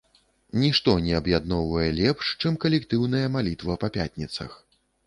Нішто не аб'ядноўвае лепш, чым калектыўная малітва па пятніцах.